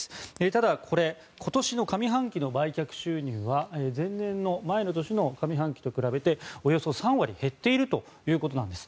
ただ、これ今年の上半期の売却収入は前の年の上半期と比べておよそ３割減っているということなんです。